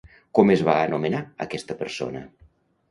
Com es va anomenar aquesta persona?